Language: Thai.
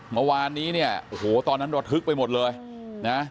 เมื่อวานนี้เนี่ยโอ้โหตอนนั้นระทึกไปหมดเลยนะ